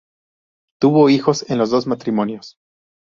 Tuvo hijos en los dos matrimonios.